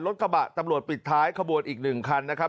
รถกระบะตำรวจปิดท้ายขบวนอีก๑คันนะครับ